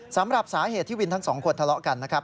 สำหรับสาเหตุที่วินทั้งสองคนทะเลาะกันนะครับ